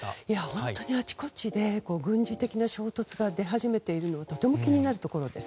本当にあちこちで軍事的な衝突が出始めているのがとても気になるところです。